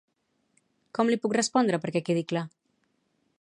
Com li puc respondre perquè quedi clar?